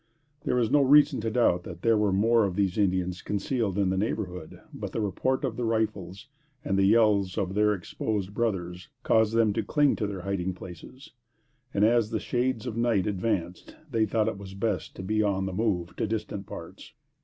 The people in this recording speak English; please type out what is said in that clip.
There is no reason to doubt that there were more of these Indians concealed in the neighborhood, but the report of the rifles and the yells of their exposed brothers, caused them to cling to their hiding places; and, as the shades of night advanced, they thought it was best to be on the move to distant parts.